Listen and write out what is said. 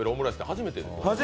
初めてです。